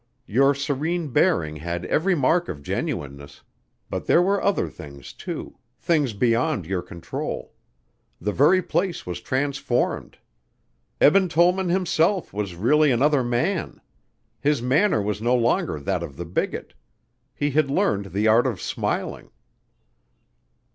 Your serene bearing had every mark of genuineness, but there were other things, too things beyond your control. The very place was transformed. Eben Tollman himself was really another man. His manner was no longer that of the bigot. He had learned the art of smiling."